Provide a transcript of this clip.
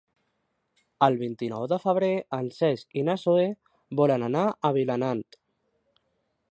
El vint-i-nou de febrer en Cesc i na Zoè volen anar a Vilanant.